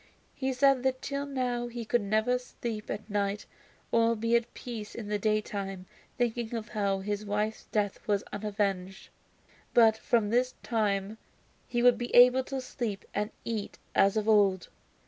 He said that till now he could never sleep at night or be at peace in the daytime, thinking of how his wife's death was unavenged, but from this time he would be able to sleep and eat as of old.